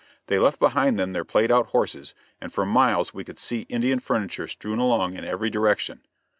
They left behind them their played out horses, and for miles we could see Indian furniture strewn along in every direction.